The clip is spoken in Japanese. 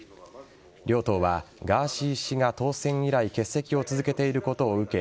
両党はガーシー氏が当選以来欠席を続けていることを受け